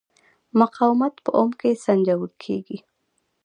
مقاومت په اوم کې سنجول کېږي.